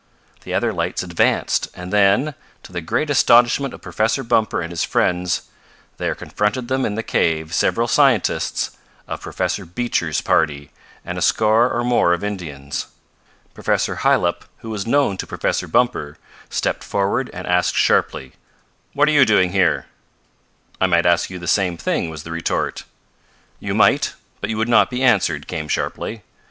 The other lights advanced, and then, to the great astonishment of Professor Bumper and his friends, there confronted them in the cave several scientists of Professor Beecher's party and a score or more of Indians. Professor Hylop, who was known to Professor Bumper, stepped forward and asked sharply: "What are you doing here?" "I might ask you the same thing," was the retort. "You might, but you would not be answered," came sharply.